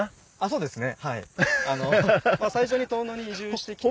そうですね。